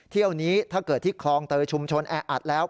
เที่ยวนี้ถ้าเกิดที่คลองเตยชุมชนแออัดแล้ว